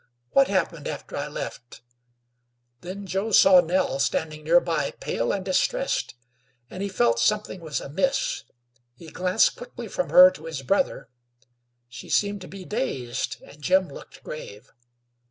What happened after I left " Then Joe saw Nell standing nearby, pale and distressed, and he felt something was amiss. He glanced quickly from her to his brother; she seemed to be dazed, and Jim looked grave.